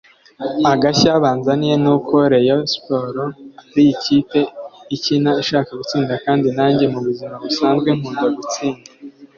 Agashya mbazaniye nuko Rayon Sports ari ikipe ikina ishaka gutsinda kandi nanjye mu buzima busanzwe nkunda gutsinda